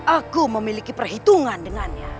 aku memiliki perhitungan dengannya